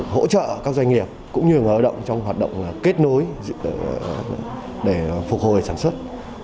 hỗ trợ các doanh nghiệp cũng như người lao động trong hoạt động kết nối để phục hồi sản xuất